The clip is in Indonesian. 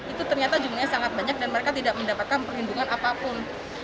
itu ternyata jumlahnya sangat banyak dan mereka tidak mendapatkan perlindungan apapun